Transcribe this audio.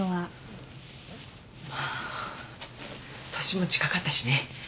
まあ年も近かったしね。